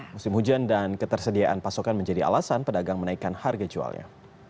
musim hujan dan ketersediaan pasokan menjadi alasan pedagang menaikkan harga jualnya